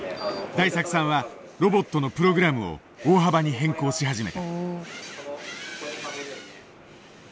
大作さんはロボットのプログラムを大幅に変更し始めた。